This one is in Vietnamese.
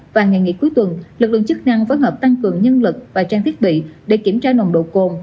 và ngày nghỉ cuối tuần lực lượng chức năng phối hợp tăng cường nhân lực và trang thiết bị để kiểm tra nồng độ cồn